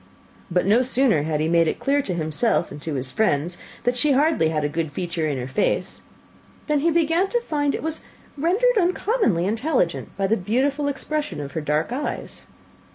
But no sooner had he made it clear to himself and his friends that she had hardly a good feature in her face, than he began to find it was rendered uncommonly intelligent by the beautiful expression of her dark eyes.